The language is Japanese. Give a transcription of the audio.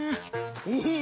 おお！